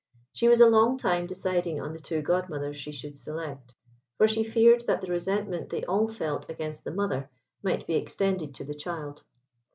She was a long time deciding on the two godmothers she should select, for she feared that the resentment they all felt against the mother might be extended to the child.